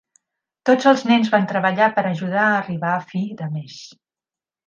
Tots els nens van treballar per a ajudar a arribar a fi de mes.